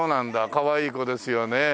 かわいい子ですよね。